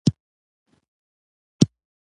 یوازې د بخارا د واکمن شاه مراد بیک سره په جنګ اړ شو.